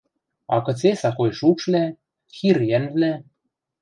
— А кыце сакой шукшвлӓ, хир йӓнвлӓ?